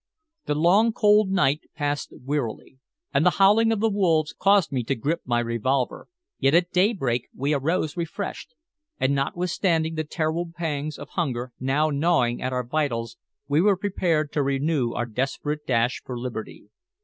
The long cold night passed wearily, and the howling of the wolves caused me to grip my revolver, yet at daybreak we arose refreshed, and notwithstanding the terrible pangs of hunger now gnawing at our vitals, we were prepared to renew our desperate dash for liberty.